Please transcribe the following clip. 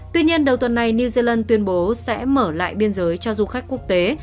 tuy nhiên đầu tuần này new zealand tuyên bố sẽ mở lại biên giới cho du khách quốc tế